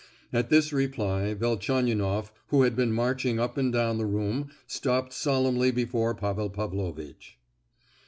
At this reply Velchaninoff, who had been marching up and down the room stopped solemnly before Pavel Pavlovitch.